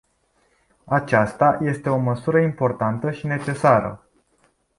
Aceasta este o măsură importantă și necesară.